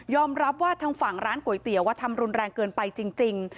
รับว่าทางฝั่งร้านก๋วยเตี๋ยวว่าทำรุนแรงเกินไปจริง